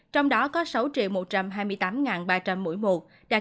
trong đó có sáu một trăm hai mươi tám ba trăm linh mũi một đạt chín mươi ba sáu mươi năm